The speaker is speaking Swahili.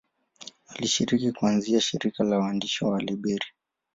Alishiriki kuanzisha shirika la waandishi wa Liberia.